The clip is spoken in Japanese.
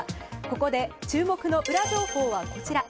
ここで注目のウラ情報はこちら。